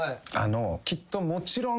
きっともちろん。